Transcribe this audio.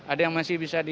ada yang masih bisa di